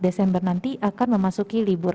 desember nanti akan memasuki libur